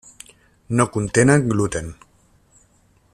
No contenen gluten.